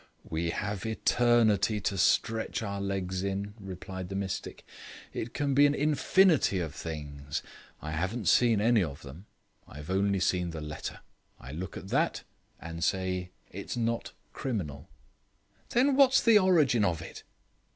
"We have eternity to stretch our legs in," replied the mystic. "It can be an infinity of things. I haven't seen any of them I've only seen the letter. I look at that, and say it's not criminal." "Then what's the origin of it?"